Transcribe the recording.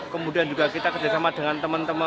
kemudian juga kita kerjasama dengan teman teman